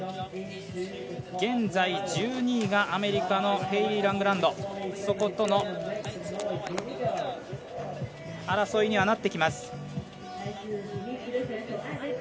現在１２位がアメリカのヘイリー・ラングランドそことの争いにはなってきます。